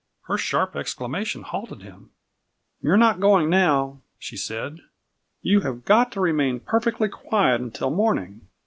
Her sharp exclamation halted him. "You're not going now!" she said. "You have got to remain perfectly quiet until morning!"